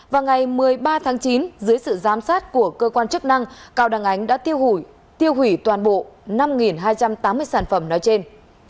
vào ngày một mươi ba tháng chín dưới sự giám sát của cơ quan chức năng cao đăng ánh đã tiêu hủy tiêu hủy toàn bộ năm hai trăm tám mươi sản phẩm nói trên